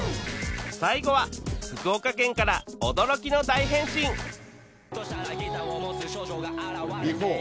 最後は福岡県から驚きの大変身ビフォー。